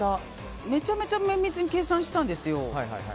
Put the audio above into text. めちゃめちゃ綿密に計算したんですよ。